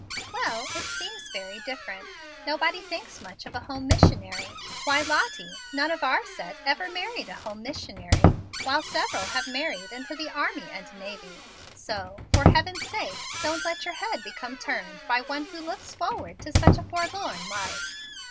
"Well, it seems very different. Nobody thinks much of a home missionary. Why, Lottie, none of our set ever married a home missionary, while several have married into the army and navy. So, for heaven's sake, don't let your head become turned by one who looks forward to such a forlorn life.